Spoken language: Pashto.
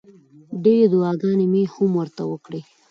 ډېرې دوعاګانې مې هم ورته وکړې.